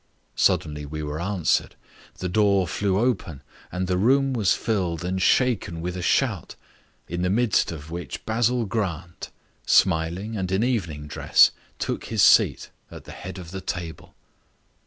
Suddenly we were answered. The door flew open and the room was filled and shaken with a shout, in the midst of which Basil Grant, smiling and in evening dress, took his seat at the head of the table.